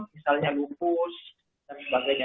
misalnya lupus dan sebagainya